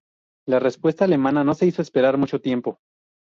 La respuesta alemana no se hizo esperar mucho tiempo.